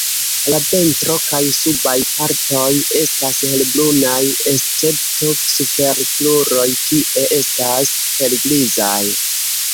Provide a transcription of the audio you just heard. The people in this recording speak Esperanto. La ventro kaj subaj partoj estas helbrunaj, escepto super kruroj kie estas helgrizaj.